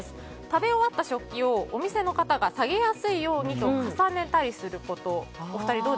食べ終わった食器をお店の方が下げやすいようにと重ねたりすること。